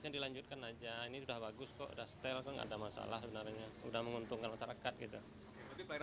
sebenarnya pelayanan udah bagus tapi dari sepirnya kadang bawanya tuh ngebut ngebut gitu